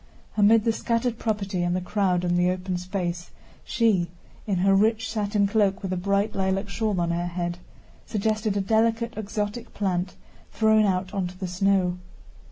Amid the scattered property and the crowd on the open space, she, in her rich satin cloak with a bright lilac shawl on her head, suggested a delicate exotic plant thrown out onto the snow.